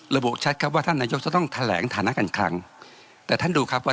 ระบุชัดครับว่าท่านนายกจะต้องแถลงฐานะการคลังแต่ท่านดูครับว่า